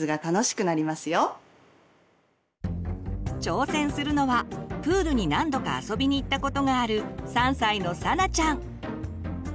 挑戦するのはプールに何度か遊びに行ったことがある３歳のさなちゃん。